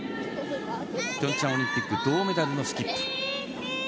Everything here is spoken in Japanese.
ピョンチャンオリンピック銅メダルのスキップ。